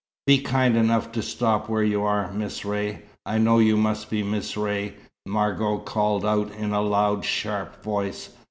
"Be kind enough to stop where you are, Miss Ray. I know you must be Miss Ray," Margot called out in a loud, sharp voice.